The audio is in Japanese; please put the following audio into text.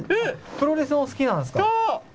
プロレス、お好きなんですか。